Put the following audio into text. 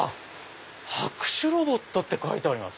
「拍手ロボット」って書いてます。